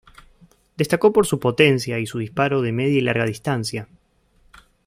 Destacó por su potencia y su disparo de media y larga distancia.